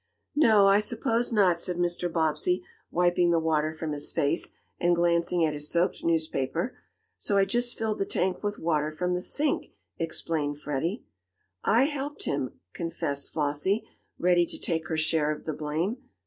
"No, I suppose not," said Mr. Bobbsey, wiping the water from his face, and glancing at his soaked newspaper. "So I just filled the tank with water from the sink," explained Freddie. "I I helped him," confessed Flossie, ready to take her share of the blame.